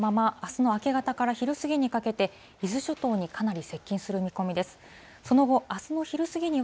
この勢力を保ったまま、あすの明け方から昼過ぎにかけて、伊豆諸島にかなり接近する見込みです。